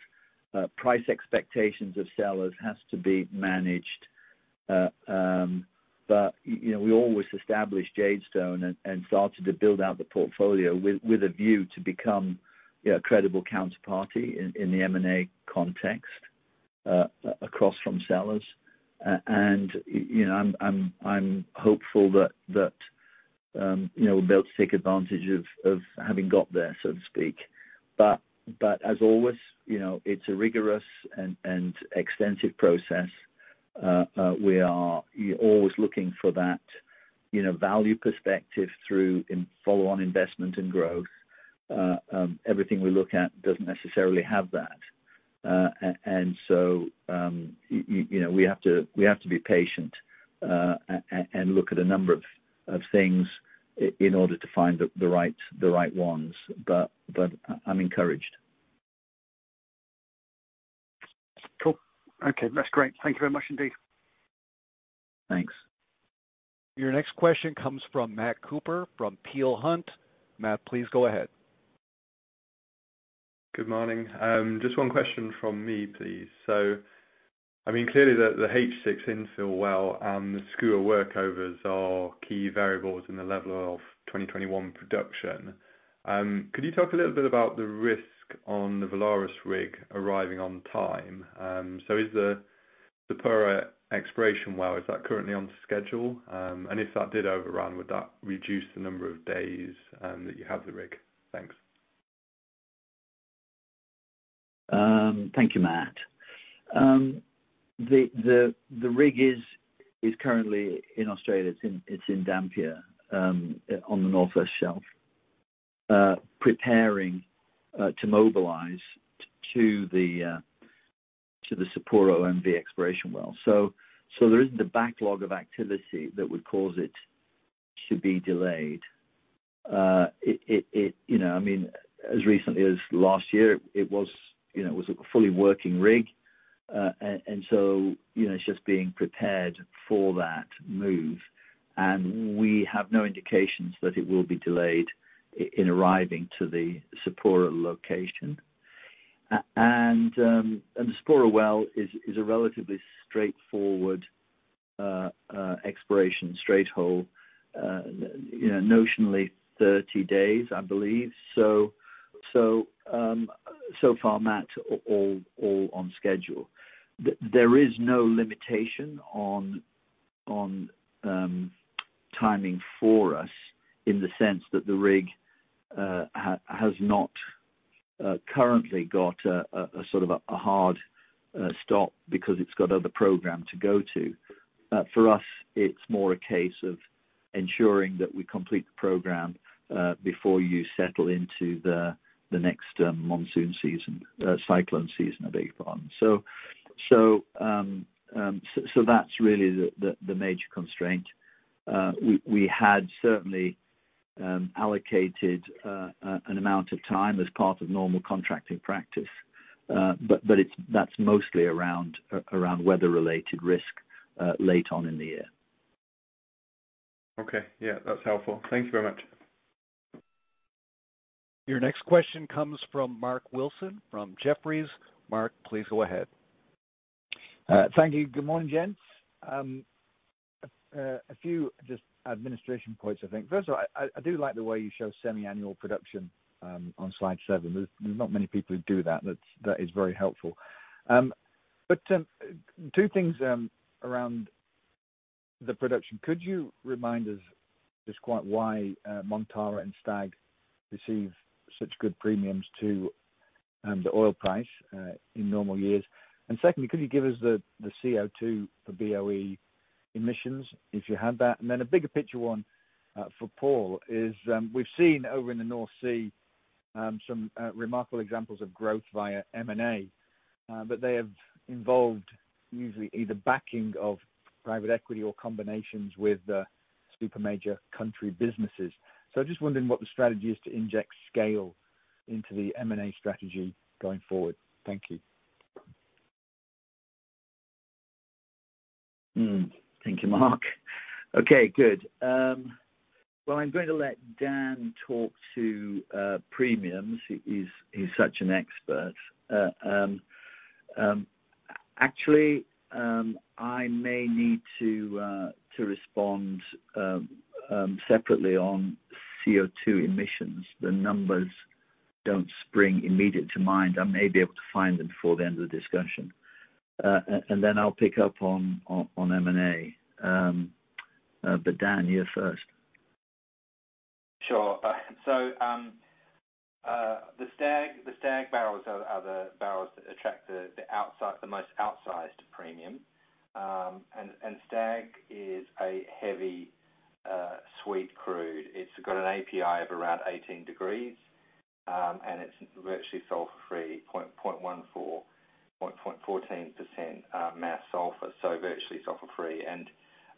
price expectations of sellers has to be managed. We always established Jadestone and started to build out the portfolio with a view to become a credible counterparty in the M&A context across from sellers. I'm hopeful that we'll be able to take advantage of having got there, so to speak. As always, it's a rigorous and extensive process. We are always looking for that value perspective through follow-on investment and growth. Everything we look at doesn't necessarily have that. We have to be patient and look at a number of things in order to find the right ones, but I'm encouraged. Cool. Okay, that's great. Thank you very much indeed. Thanks. Your next question comes from Matt Cooper, from Peel Hunt. Matt, please go ahead. Good morning. Just one question from me, please. Clearly the H6 infill well and the Skua workovers are key variables in the level of 2021 production. Could you talk a little bit about the risk on the Valaris rig arriving on time? Is the Sapura exploration well currently on schedule? If that did overrun, would that reduce the number of days that you have the rig? Thanks. Thank you, Matt. The rig is currently in Australia. It's in Dampier on the North West Shelf preparing to mobilize to the SapuraOMV exploration well. There isn't a backlog of activity that would cause it to be delayed. As recently as last year, it was a fully working rig. It's just being prepared for that move, and we have no indications that it will be delayed in arriving to the Sapura location. The Sapura well is a relatively straightforward exploration, straight hole. Notionally 30 days, I believe. So far, Matt, all on schedule. There is no limitation on timing for us in the sense that the rig has not currently got a hard stop because it's got other program to go to. For us, it's more a case of ensuring that we complete the program before you settle into the next monsoon season, cyclone season, I beg your pardon. That's really the major constraint. We had certainly allocated an amount of time as part of normal contracting practice. That's mostly around weather-related risk late on in the year. Okay. Yeah, that's helpful. Thank you very much. Your next question comes from Mark Wilson from Jefferies. Mark, please go ahead. Thank you. Good morning, gents. A few just administration points, I think. First of all, I do like the way you show semi-annual production on slide seven. There's not many people who do that. That is very helpful. Two things around the production. Could you remind us just quite why Montara and Stag receive such good premiums to the oil price in normal years? Secondly, could you give us the CO2 per BOE emissions, if you have that? Then a bigger picture one for Paul is, we've seen over in the North Sea some remarkable examples of growth via M&A, but they have involved usually either backing of private equity or combinations with the super major country businesses. I'm just wondering what the strategy is to inject scale into the M&A strategy going forward. Thank you. Thank you, Mark. Okay, good. Well, I'm going to let Dan talk to premiums. He's such an expert. Actually, I may need to respond separately on CO2 emissions. The numbers don't spring immediate to mind. I may be able to find them before the end of the discussion. Then I'll pick up on M&A. Dan, you're first. Sure. The Stag barrels are the barrels that attract the most outsized premium. Stag is a heavy, sweet crude. It's got an API of around 18 degrees, and it's virtually sulfur-free, 0.14% mass sulfur, so virtually sulfur-free.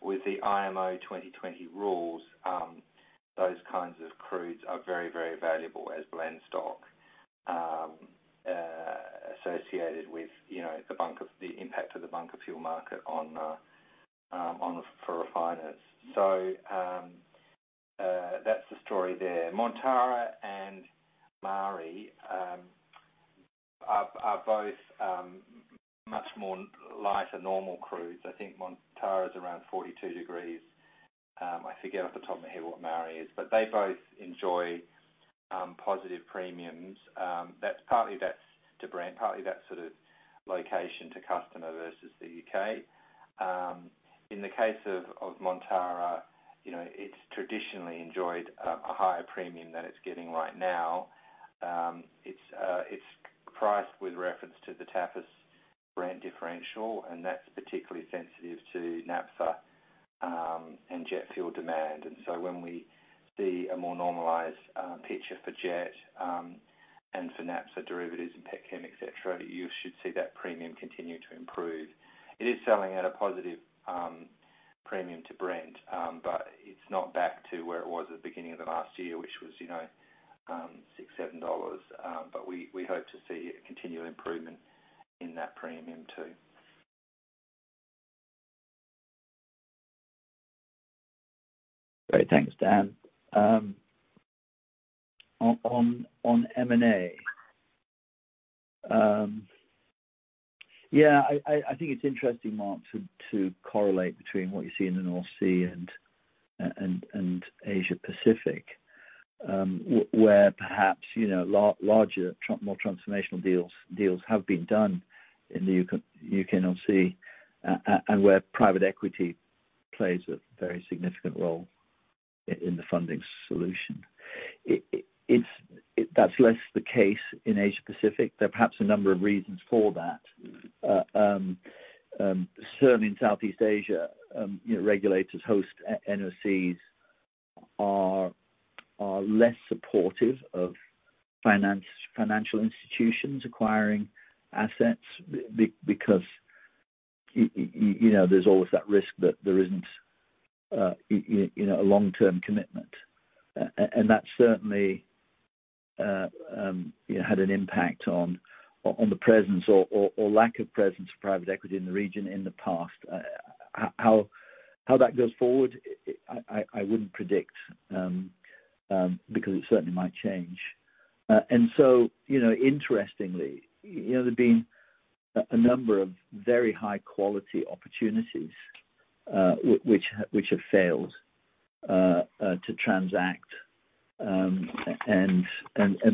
With the IMO 2020 rules, those kinds of crudes are very, very valuable as blend stock associated with the impact of the bunker fuel market for refiners. That's the story there. Montara and Maari are both much more lighter, normal crudes. I think Montara's around 42 degrees. I forget off the top of my head what Maari is. They both enjoy positive premiums. Partly that's to Brent, partly that's sort of location to customer versus the U.K. In the case of Montara, it's traditionally enjoyed a higher premium than it's getting right now. It's priced with reference to the Tapis Brent differential, and that's particularly sensitive to naphtha and jet fuel demand. When we see a more normalized picture for jet, and for naphtha derivatives and pet chem, et cetera, you should see that premium continue to improve. It is selling at a positive premium to Brent. It's not back to where it was at the beginning of the last year, which was, $6, $7. We hope to see a continual improvement in that premium, too. Great. Thanks, Dan. On M&A. Yeah, I think it's interesting, Mark, to correlate between what you see in the North Sea and Asia Pacific, where perhaps larger, more transformational deals have been done in the U.K. North Sea, where private equity plays a very significant role in the funding solution. That's less the case in Asia Pacific. There are perhaps a number of reasons for that. Certainly in Southeast Asia, regulators, host NOCs are less supportive of financial institutions acquiring assets because there's always that risk that there isn't a long-term commitment. That certainly had an impact on the presence or lack of presence of private equity in the region in the past. How that goes forward, I wouldn't predict, because it certainly might change. Interestingly, there've been a number of very high-quality opportunities, which have failed to transact.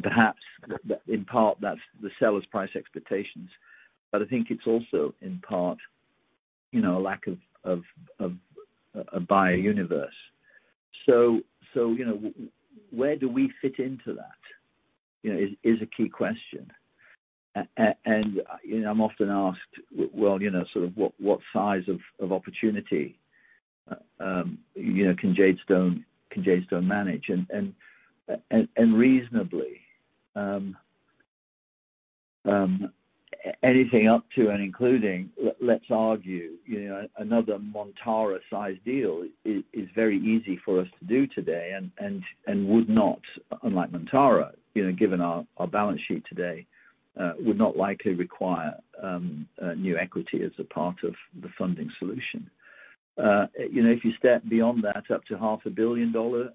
Perhaps in part, that's the seller's price expectations. I think it's also in part, a lack of a buyer universe. Where do we fit into that, is a key question. I'm often asked, well, sort of what size of opportunity can Jadestone manage? Reasonably, anything up to and including, let's argue another Montara size deal is very easy for us to do today and would not, unlike Montara, given our balance sheet today, would not likely require new equity as a part of the funding solution. If you step beyond that, up to half a billion dollar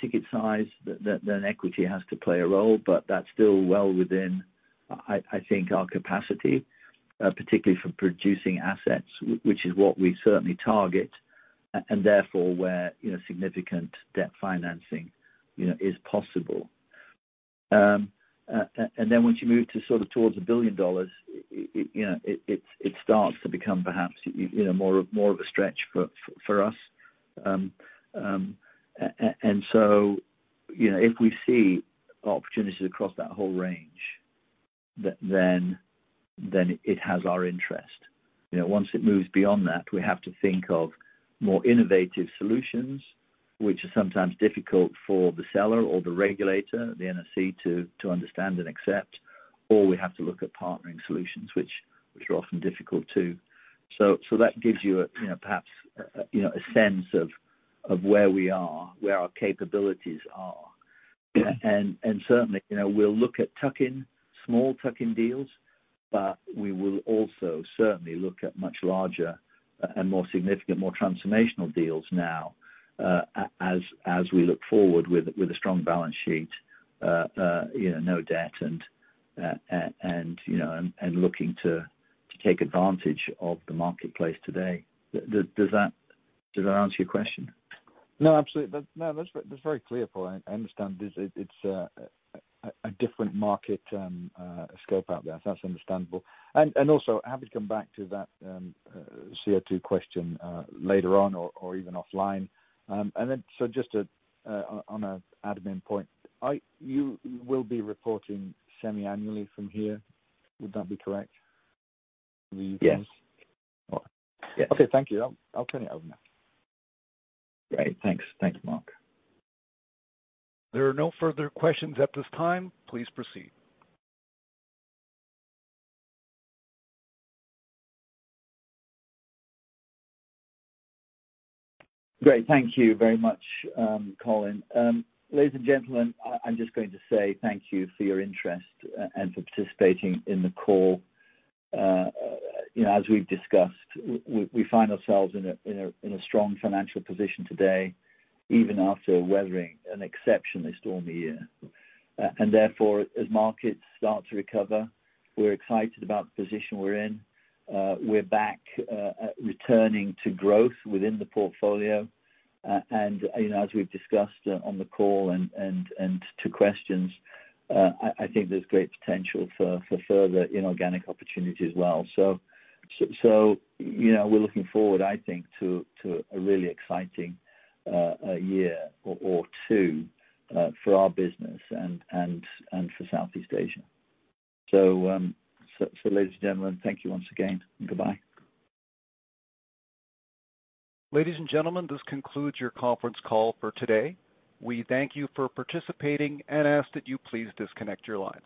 ticket size, then equity has to play a role, but that's still well within, I think our capacity, particularly for producing assets, which is what we certainly target. Therefore, where significant debt financing is possible. Once you move towards $1 billion, it starts to become perhaps more of a stretch for us. If we see opportunities across that whole range, then it has our interest. Once it moves beyond that, we have to think of more innovative solutions, which are sometimes difficult for the seller or the regulator, the NOC, to understand and accept, or we have to look at partnering solutions, which are often difficult too. That gives you perhaps a sense of where we are, where our capabilities are. Certainly, we'll look at small tuck-in deals, but we will also certainly look at much larger and more significant, more transformational deals now, as we look forward with a strong balance sheet, no debt and looking to take advantage of the marketplace today. Does that answer your question? No, absolutely. No, that's very clear, Paul. I understand. It's a different market scope out there. That's understandable. Also, happy to come back to that CO2 question later on or even offline. Just on an admin point, you will be reporting semi-annually from here, would that be correct? Yes. Okay, thank you. I'll turn it over now. Great. Thanks, Mark. There are no further questions at this time. Please proceed. Great. Thank you very much, Colin. Ladies and gentlemen, I'm just going to say thank you for your interest and for participating in the call. As we've discussed, we find ourselves in a strong financial position today, even after weathering an exceptionally stormy year. Therefore, as markets start to recover, we're excited about the position we're in. We're back, returning to growth within the portfolio. As we've discussed on the call and to questions, I think there's great potential for further inorganic opportunity as well. We're looking forward, I think, to a really exciting year or two for our business and for Southeast Asia. Ladies and gentlemen, thank you once again. Goodbye. Ladies and gentlemen, this concludes your conference call for today. We thank you for participating and ask that you please disconnect your lines.